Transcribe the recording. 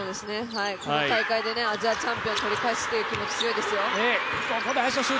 この大会でアジアチャンピオンを取り返すという気持ちは強いですよ。